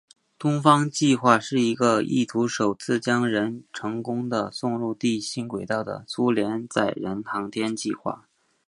东方计划是一个意图首次将人成功地送入地心轨道的苏联载人航天计划。